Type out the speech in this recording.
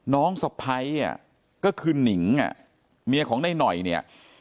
สะพ้ายก็คือหนิงอ่ะเมียของนายหน่อยเนี่ย